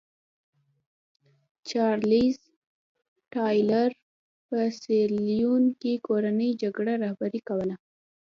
چارلېز ټایلر په سیریلیون کې کورنۍ جګړه رهبري کوله.